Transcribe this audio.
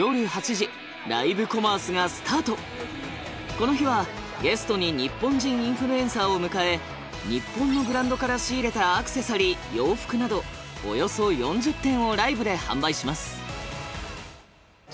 この日はゲストに日本人インフルエンサーを迎え日本のブランドから仕入れたアクセサリー洋服などおよそ４０点をライブで販売します。